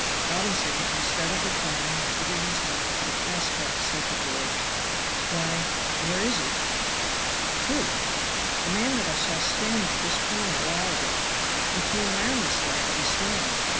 Robinson, instead of replying or giving his mind to the prospect said to George, "Why, where is he?" "Who?" "The man that I saw standing at this corner a while ago. He came round this way I'll be sworn."